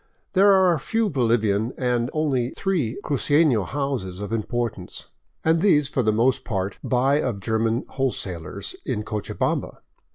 There are few Bolivian, and only three cruceno houses of importance, and these for the most part buy of German wholesalers in Cochabamba.